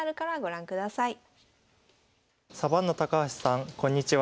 サバンナ高橋さんこんにちは。